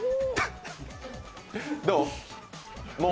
どう？